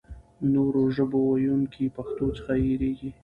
نورو ژبو ویونکي پښتو څخه تېرېږي.